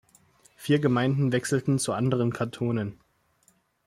Vier Gemeinden wechselten zu anderen Kantonen.